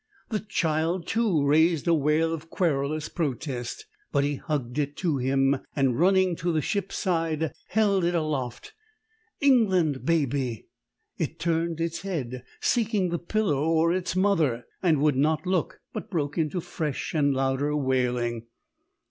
The child, too, raised a wail of querulous protest; but he hugged it to him, and running to the ship's side held it aloft. "England, baby!" It turned its head, seeking the pillow or its mother; and would not look, but broke into fresh and louder wailing.